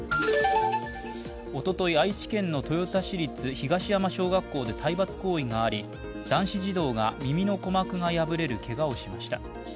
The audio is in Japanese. おととい、愛知県の豊田市立東山小学校で体罰行為があり、男子児童が耳の鼓膜が破れるけがをしました。